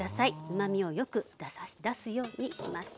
うまみをよく出すようにします。